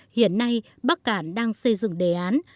hiện nay bắc cạn đang xây dựng đề án